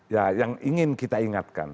ya yang ingin kita ingatkan